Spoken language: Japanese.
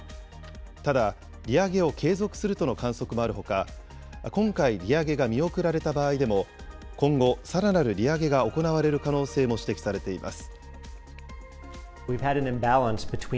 ただ、利上げを継続するとの観測もあるほか、今回利上げが見送られた場合でも、今後、さらなる利上げが行われる可能性も指摘されています。